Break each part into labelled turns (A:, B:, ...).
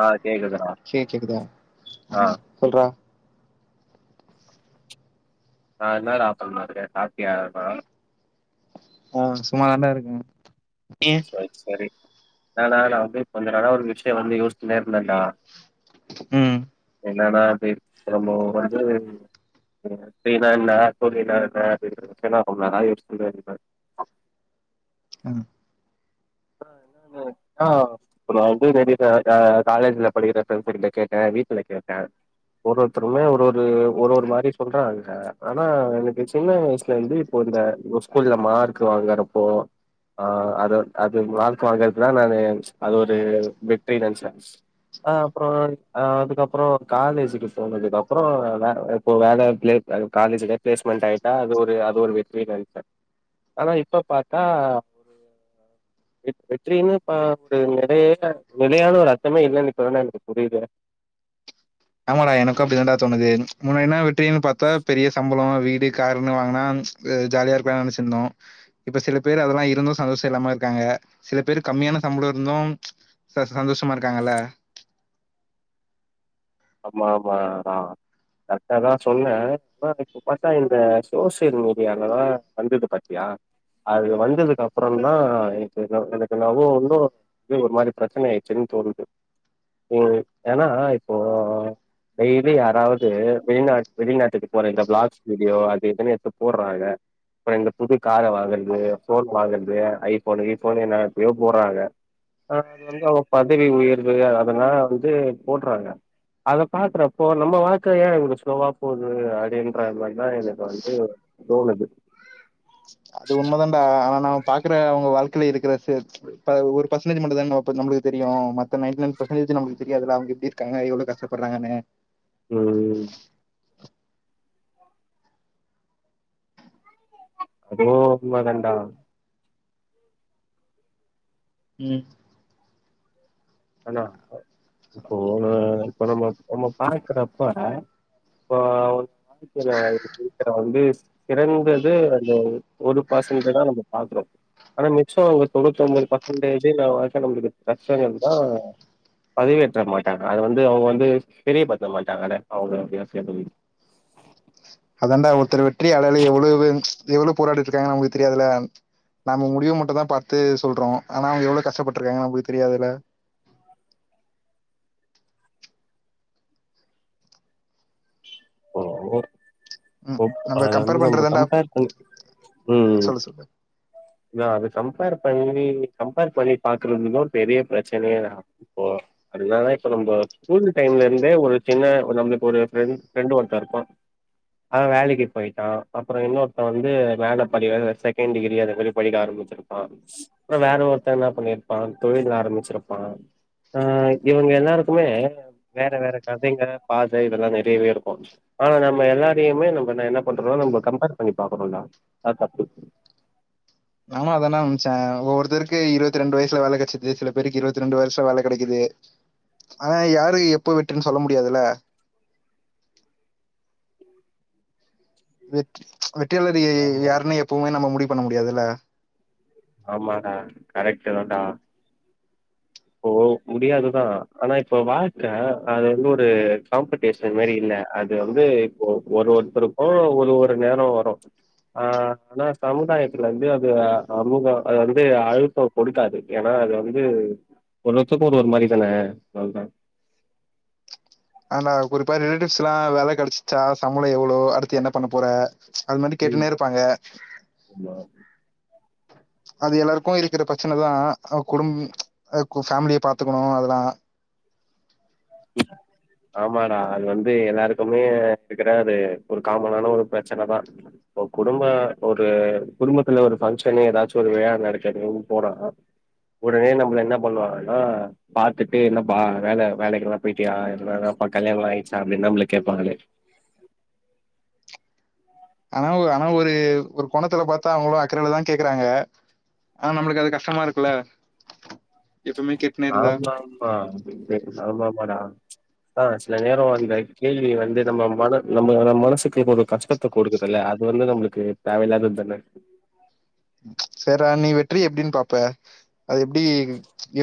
A: ஆ கேக்குதுடா
B: கே கேக்குதா ஆ சொல்றா
A: ஆ என்னடா பண்ணிட்ருக்க சாப்டியா பா
B: ஆ சும்மா தாண்டா இருக்க
A: சரி சரி என்னனா நா வந்து கொஞ்ச நாளா ஒரு விஷய வந்து யோசிச்சினே இருந்தன்டா
B: ம்
A: என்னன்னா அப்படி ரொம்ப வந்து [unintelligible]
B: ம்
A: ஆ ந ஆ இப்ப ந வந்து ந காலேஜ்ல படிக்கிற ண்ட கேட்டேன் வீட்டுல கேட்டேன் ஒரு ஒருத்தருமே ஒரு ஒரு ஒரு மாதிரி சொல்றாங்க ஆனா எனக்கு சின்ன வயசுல வந்து [unintelligible] இந்த ஸ்கூல்ல மார்க் வாங்கறப்போ ஆஹ் அத அது மார்க் வாங்கறதுதா நா அது ஒரு வெற்றி நெனச்ச அஹ் அப்றோ அதுக்கப்றோ காலேஜுக்கு போனதுக்கு அப்றோ வே இப்போ வேல அது காலேஜ்ல ப்ளேஸ்மெண்ட் ஆயிட்டா அது ஒரு அது ஒரு வெற்றி நெனப்ப ஆனா இப்ப பாத்தா வெற் வெற்றின்னு இப்ப ஒரு நெறைய நிலையான ஒரு அர்த்தமே இல்லன்னு இப்ப தான்டா எனக்கு புரியுது
B: ஆமாடா எனக்கு அப்படி தாண்டா தோணுது முன்னாடினா வெற்றின்னு பாத்தா பெரிய சம்பளோ வீடு காருன்னு வாங்குனா ஜாலியா இருக்கலா நெனச்சிருந்தோ இப்ப சில பேரு அதலா இருந்து சந்தோஷ இல்லாம இருக்காங்க சில பேரு கம்மியான சம்ளோ இருந்து ச சந்தோஷமா இருக்காங்கல்ல
A: ஆமா ஆமா ஆஹ் கரெக்டாதா சொன்ன ஆனா இப்ப பாத்தா இந்த சோசியல் மீடியாலதா வந்தது பாத்தியா அது வந்ததுக்கு அப்றோதா எனக்கு எனக்கு நவோ ஒன்னு இது ஒரு மாரி பெரச்சனை ஆயிச்சுன் தோனுது உம் ஏனா இப்போ டெய்லி யாராவது வெளிநா வெளிநாட்டுக்கு போற இந்த பிளாக்ஸ் வீடியோ அது எதுன்னு எத்து போடுறாங்க அப்றோ இந்த புது கார வாங்கறது போன் வாங்கறது ஐபோனு இபோனு என்னனத்தையோ போடுறாங்க ஆஹ் அது வந்து அவங்க பதவி உயர்வு அதெல்லா வந்து போடுறாங்க அத பாக்றப்போ நம்ம வாழ்க்க ஏன் இவ்ளோ ஸ்லோவா போகுது அப்டின்ற மாரிதா இதுக்கு வந்து தோனுது
B: அது உண்ம தான்டா ஆனா நாம பாக்குற அவங்க வாழ்க்கையில இருக்கிற சே இப்ப ஒரு பர்சன்டேஜ் மட்டு தா இப்ப நம்ளுக்கு தெரியு மத்த நைன்டி நைன் பர்சன்டேஜ் நம்ளுக்கு தெரியாதுல அவங்க எப்டி இருக்காங்க எவ்ளோ கஷ்டப்பறாங்கனு
A: உம் அதோ உண்ம தாண்டா
B: உம்
A: அண்ணா போன [unintelligible] நம்ம பாக்கறப்ப இப்ப [inaudible] வாழ்க்கைல [inaudible] வந்து சிறந்தது அந்த ஒரு பசன்டுதா நம்ம பாக்றோ ஆனா மிச்சோ ஒரு தொண்ணூத் ஒம்போது பர்சன்டேஜூ நா [unintelligible] தா பதிவேற்ற மாட்டாங்க அத வந்து அவங்க வந்து தெரிய படுத்த மாட்டாங்க [unintelligible]
B: அதாண்டா ஒருத்தர் வெற்றி [unintelligible] எவ்ளோ [inaudible] எவ்ளோ போராடிட்டு இருக்காங்கனு அவங்களுக்கு தெரியாதுல நம்ம முடிவு மட்டு தா பாத்து சொல்றோ ஆனா அவங்க எவ்ளோ கஷ்டபட்டுருக்காங்க நமக்கு தெரியாதுல ம்,
A: ஓ
B: நம்ம
A: அத வந்து
B: கம்பேர்
A: நம்ம
B: பண்றதாண்டா
A: கம்பேர் பண்ணி உம்
B: சொல்லு சொல்லு
A: நா அது கம்பேர் பண்ணி கம்பேர் பண்ணி பாக்குறதுன்ன ஒரு பெரிய பெரச்சனையே தா இப்போ அதனாலா இப்ப நம்ம ஸ்கூலு டைம்ல இருந்தே ஒரு சின்ன நம்மளுக்கு ஒரு ஃப்ரெண் ஃப்ரெண்டு ஒருத்த இருப்பா அவன் வேலைக்கி போயிட்டா அப்றோ இன்னொருத்த வந்து மேல படிக்கற செகண்ட் டிகிரி அது படிக்க ஆரம்பிச்சிருப்பா ஆஹ் வேற ஒருத்த என்ன பண்ணிருப்பா தொழில் ஆரம்பிச்சிருப்பா ஆஹ் இவங்க எல்லாருக்குமே வேற வேற கதைங்க பாத இதெல்லா நெறையவே இருக்கு ஆனா நம்ம எல்லாரையுமே நம்ம நான் என்ன பண்றம்னா நம்ம கம்பேர் பண்ணி பாக்கறோம்டா அது தப்பு
B: ஆமா அதானே அம்பிச்சேன் ஒவ்வொருத்தருக்கு இருபத்தி ரெண்டு வயசுல வேலை கெடச்சது சில பேருக்கு இருபத்தி ரெண்டு வயசுல வேலை கிடைக்குது ஆனா யாரு எப்ப வெட்டுன்னு சொல்ல முடியாதுல்ல வெற் வெற்றியாளர்
A: ஆமாமா
B: யாருன்னே எப்பவுமே நம்ம முடிவு பண்ண முடியாதுல்ல
A: ஆமாடா கரெக்டு தான்டா ஓ முடியாதுதா ஆனா இப்ப வாழ்க்க அது வந்து ஒரு காம்படி பேஸ்ன மாரி இல்ல அது வந்து இப்ப ஒரு ஒருத்தருக்கு ஒரு ஒரு நேரோ வரு ஆ ஆனா சமுதாயத்துல இருந்து அது அ சமூகோ அது வந்து அழுத்தோ கொடுக்காது ஏனா அது வந்து ஒரு ஒருத்தருக்கு ஒரு ஒரு மாரி தான அது தா
B: ஆனா குறிப்பா ரிலேட்டிவ்ஸ் எல்லா வேல கெடைச்சிச்சா சம்பளோ எவ்ளோ அடுத்து என்ன பண்ண போற அது மாறி
A: ம்.
B: கேட்டுனே இருப்பாங்க
A: ஆமா.
B: அது எல்லாருக்கு இருக்கிற பிரச்சனைதா குடும் அ ஃபேமிலியை பாத்துக்கணு அதெல்லா
A: [inaudible] ஆமாடா அது வந்து எல்லாருக்குமே இருக்கிற அது ஒரு காமனான ஒரு பிரச்சனைதா இப்ப குடும்பம் ஒரு குடும்பத்துல ஒரு ஃபங்க்ஷனு ஏதாச்சு ஒரு விழா நடக்கதுன்ன போனா உடனே நம்மளை என்ன பண்ணுவாங்கன்னா பாத்துட்டு என்ன பா வேல வேலைக்கெல்லா போயிட்டியா என்னாப்ப கல்யாணல்லா ஆயிச்சா அப்டின்னு நம்மள கேப்பாங்களே
B: ஆனா ஒ ஆனா ஒரு ஒரு கோணத்துல பாத்தா அவ்ங்களு அக்கறையிலதா கேக்கறாங்க ஆனா நம்ளுக்கு அது கஷ்டமா இருக்குல்ல எப்பவுமே கேட்டுனே இருந்தா
A: ஆமா ஆமா [unintelligible] ஆமா ஆமாடா ஆ சில நேரோ அந்த கேள்வி வந்து நம்ம மன நம்மளோட மனசுக்குள்ள ஒரு கஷ்ட த்த கொடுக்குதல்ல அது வந்து நம்மளுக்கு தேவையில்லாதது தானே
B: செரிரா நீ வெற்றி எப்டின்னு பாப்ப அது எப்டி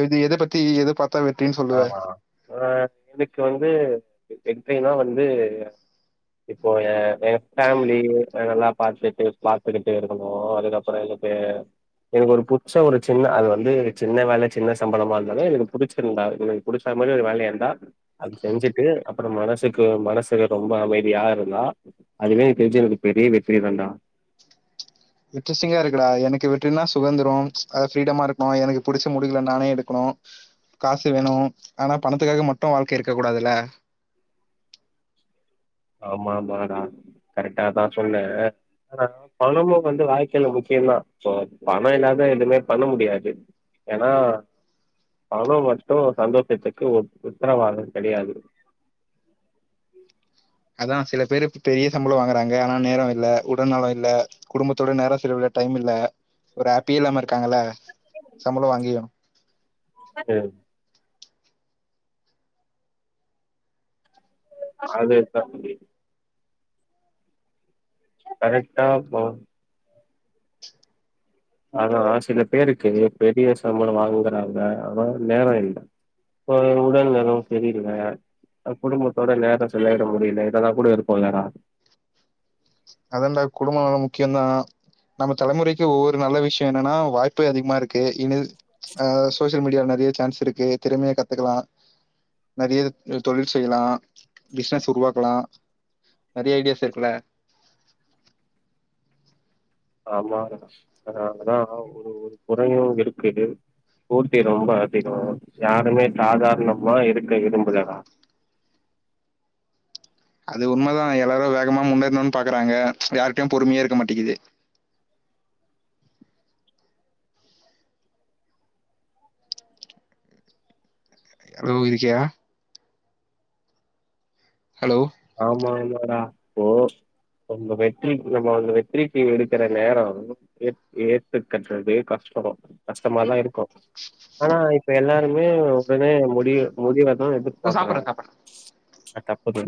B: எது எத பத்தி எத பாத் தா வெற்றின்னு சொல்
A: ஆமா ஆ எனக்கு வந்து வெற்றினா வந்து இப்போ எ எ ஃபேமிலி நல்லா பாத்துட்டு பாத்துக்கிட்டு இருக்கணு அதுக்கப் புறோ எனக்கு எனக்கு ஒரு புச்ச ஒரு சின்ன அது வந்து சின்ன வேல சின்ன சம்பளமா இருந்தாலு எனக்கு புடிச்சிருந்தா எனக்கு புடிச்சா மாறி ஒரு வேலையா இருந்தா அது செஞ்சுட்டு அப்ற மனசுக்கு மனசுக்கு ரொம்ப அமைதியா இருந்தா அதுவே எனக்குத் தெரிஞ்சு எனக்கு பெரிய வெற்றி தாண்டா
B: இன்ட்ரெஸ்டிங்கா இருக்குடா எனக்கு வெற்றினா சுகந்திரோ அத ஃப்ரீடமா இருக்கணு எனக்கு புடிச்ச முடிவுல நானே எடுக்கணு காசு வேணு ஆனா பணத்துக்காக மட்டு வாழ்க்க இருக்க கூடாதுல்ல
A: ஆமாமாடா கரெக்டா தா சொன்னே ஆனா பணமு வந்து வாழ்க்கைல முக்கியதா இப்போ பணோ இல்லாத எதுவுமே பண்ண முடியாது ஏன்னா பணோ மட்டு சந்தோஷத்துக்கு உ உத்தரவாதோ கெடையாது
B: அதா சில பேரு பெரிய சம்பளோ வாங்கறாங்க ஆனா நேர இல்ல உடல் நலோ இல்ல குடும்பத்தோட நேர செலவிட டைம் இல்ல ஒரு ஹாப்பியே இல்லாம இருக்காங்கல்ல சம்பளோ வாங்கியு
A: ம் அது தாண்டி கரெக்டா போ ஆனா சில பேருக்கு பெரிய சம்பளோ வாங்கறாங்க ஆனா நேர இல்ல ஒரு உடல் நலம் சரியில்ல தா குடும்பத்தோட நேர செலவிட முடியல இதெல்லா கூட இருக்கு இல்லடா
B: அதாண்ட குடும்பமு முக்கியந்தா நம்ம தலைமுறைக்கு ஒவ்வொரு நல்ல விஷயோ என்னன்னா வாய்ப்பு அதிகமா இருக்கு இனித் ஆ சோசி யல் மீடியால நெறைய சான்ஸ் இருக்கு திறமையா கத்துக்கலா நெறைய தொழில் செய்யலா பிசினஸ் உருவாக்கலா நெறைய ஐடியாஸ் இருக்குல
A: ஆமா ஆ அதா ஒரு குறையு இருக்கு போட்டி ரொம்ப அதிகோ யாருமே சாதாரணமா இருக்க விரும்பல டா
B: அது உண்ம தா எல்லாரு வேகமா முன்னேறனுன்னு பாக்கறாங்க யாருட்டயு பொறுமையே இருக்க மாட்டிங்குது ஹலோ இருக்கியா ஹலோ
A: ஆமா ஆமாடா போ நம்ப வெற்றி நம்ம வெற்றிக்கி எடுக்கிற நேரம் ஏத் ஏத்துகற்றதே கஷ்டோ கஷ்டமாதா இருக்கு ஆனா இப்ப எல்லாருமே உடனே முடி முடிவ தா எடு பாக்குறோம்
B: சாப்பிட்றேன் சாப்பிட்றேன்
A: அ தப்புதா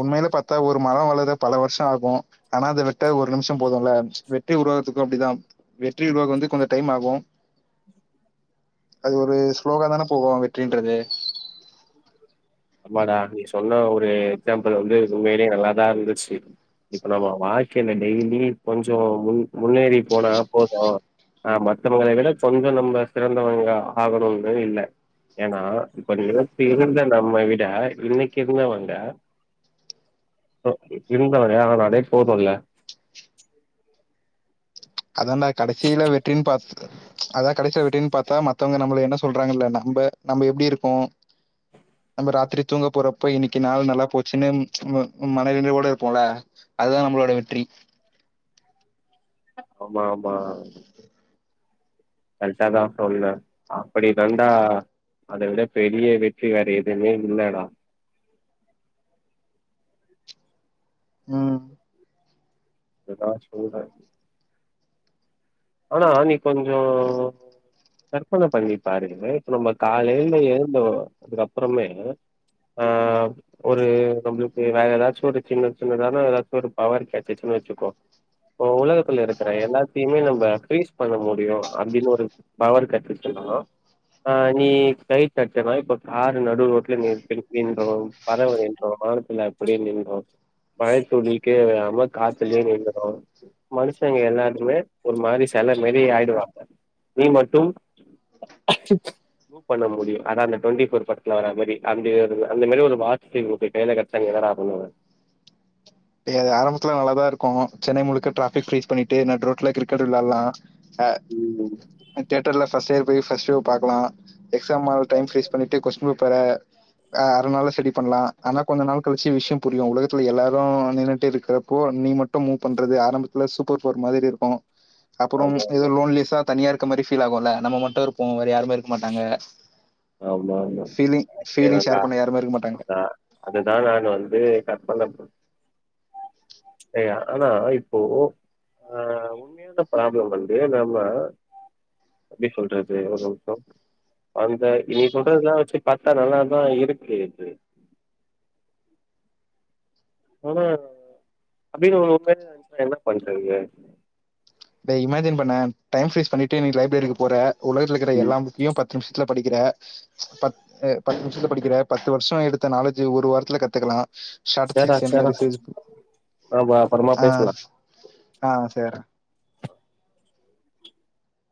B: உண்மையில பாத் தா ஒரு மரம் வளர பல வருஷம் ஆகும் ஆனா அத வெட்ட ஒரு நிமிஷம் போதும்ல்ல வெட்டி உருவாதுக்கும் அப்டிதா வெற்றி உருவாக்கு வந்து கொஞ்சோ டைம் ஆகும் அது ஒரு ஸ்லோகா தான போகு வெற்றின்றது
A: ஆமாடா நீ சொன்ன ஒரு எக்ஸாம்பிள் வந்து உண்மையிலேயே நல்லாதா இருந்துச்சு இப்ப நம்ம வாழ்க்கையில டெய்லி கொஞ்ஜோ முன் முன்னேறி போனா போதும் ஆ மத்தவங்கள விட கொஞ்சொ நம்ம சிறந்தவங்க ஆகணுன்றது இல்ல ஏன்னா இப்ப நிலத்து இருந்த நம்ம விட இன்னைக்கு இருந்தவங்க இப்போ இருந்தவர அவ நடே போதும் இல்ல
B: அதான்டா கடைசியில வெற்றின்னு பாத்துக்க அதான் கடைசில வெற்றினு பாத்தா மத்தவங்க நம்மள என்ன சொல்றாங்கல்ல நம்ப நம்ம எப்படி இருக்கோ நம்ம ராத்திரி தூங்க போறப்ப இன்னைக்கு நாள் நல்லா போச்சுன்னு ம் ம் மன நிறைவோடு இருப்போம்ல அதுதா நம்மளோட வெற்றி
A: ஆமா ஆமா கரெக்ட்டா தான் சொன்ன அப்படி தான்டா அத விட பெரிய வெற்றி வேற எதுவுமே இல்லடா
B: ம்
A: அதுதா சொல்றே ஆனா நீ கொஞ்சொ கற்பன பண்ணி பாருங்க இப்ப நம்ம காலையில எழுதோ அதுக்கப்புறமே ஆ ஒரு நம்மளுக்கு வேற ஏதாச்சு ஒரு சின்ன சின்னதானா ஏதாச்சு ஒரு பவர் கெடச்சிசின்னு வச்சுக்கோ ஓ உலகத்துல இருக்கிற எல்லாத்தையுமே நம்ப கிரீஸ் பண்ண முடியும் அப்டின்னு ஒரு பவர் கெடச்சுச்சுன்னா ஆ நீ கை தட்டுனா இப்போ கார் நடுரோட்ல நிற் நிற்கின்றோம் பரவ நின்று வானத்துல அப்படியே நின்று மழைத்துளிக்கேம காத்துலே நின்னுரு மனுஷங்க எல்லாருமே ஒரு மாரி செல மாரி ஆயிடுவாங்க நீ மட்டும் அச்சச் மூவ் பண்ண முடியும் அத அந்த டொண்டிஃபோர் படத்துல வர மாதிரி அந்த அந்த மாரி ஒரு வாட்ச் இப்போ கையில கெ [unintelligible]
B: டேய் அது ஆரம்பத்துல நல்லதா இருக்கும் சென்னை முழுக்க டிராபிக் ஃப்ரீஸ் பண்ணிட்டு நடுரோட்ல கிரிக்கெட் விளாட்லா சா
A: ம்
B: தேட்டர்ல ஃபர்ஸ்ட் இயர் போய் ஃபர்ஸ்ட் ஷோ பாக்லா எக்ஸாம் ஆ டைம் ஃபிரீஸ் பண்ணிட்டு கொஸ்டின் பேப்பர அ அறநாள்ல செரி பண்லா ஆனா கொஞ்சொ நாள் கழிச்சு விஷ்யொ புரியும் உலகத்துல எல்லாரு நின்னுட்டு இருக்கிறப்போ நீ மட்டும் மூவ் பண்றது ஆரம்பத்துல சூப்பர் பவர் மாதிரி இருக்கு அப்புறம் ஏதோ
A: ஆமாமா.
B: லோன்லீசா தனியா இருக்க மாரி ஃபீல் ஆகும்ல நம்ம மட்டும் இருப்போ வேற யாருமே இருக்க மாட்டாங்க
A: ஆமாமா.
B: ஃபீலிங் ஃபீலிங்
A: ஏன்னா
B: ஷேர் பண்ண யாருமே இருக்க மாட்டாங்க
A: அதான். அதுதான் நான் வந்து கற்பனப் ஏ ஆனா இப்போ ஆ உண்மையான ப்ராப்பலம் வந்து நம்ம அப்டி சொல்றது ஒரு நிமிஷம் அந்த நீ சொல்றதுலா வச்சு பாத்தா நல்லாதா இருக்கு ஆனா அப்பின்னு [unintelligible] என்ன பண்றது
B: இத இமேஜின் பண்ணே டைம் பிரிஷ் பண்ணிட்டு நீ லைப்ரரிக்கு போற உலகதுல இருக்கிற
A: ம்.
B: எல்லா புக்யு பத்து நிம்ஷத்துல படிக்கிற பத்து பத்து நிம்ஷத்துல படிக்கிற பத்து வருஷோ எடுத்த நாலேஜு ஒரு வாரத்துல கத்துக்கலா
A: சேர்டா
B: ஸாடிஸ்டிக்ஸ்
A: சேர்டா.
B: அனாரிஸ்
A: நாம அப்பறமா பேசலாம்.
B: ஆஹ் ஆஹ் சேர்றா